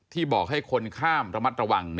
บอกให้คนข้ามระมัดระวัง